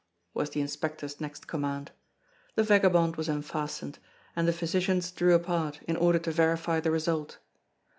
was the inspector's next command. The vagabond was unfastened, and the physicians drew apart in order to verify the result.